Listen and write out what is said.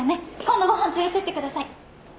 今度ごはん連れてってください。